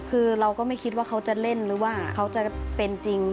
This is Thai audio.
คือเราก็ไม่คิดว่าเขาจะเล่นหรือว่าเขาจะเป็นจริง